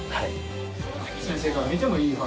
先生から見てもいいお箸？